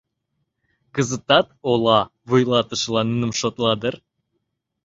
Кызытат ола вуйлатышылан нуным шотла дыр?